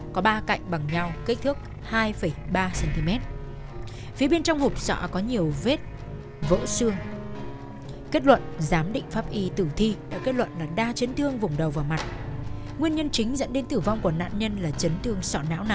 có ba mặt ốp gạch men màu trắng đã cũ rất có thể là của một hộ dân nào đó phá bỏ khi sửa chữa tường nhà